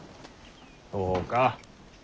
そうか。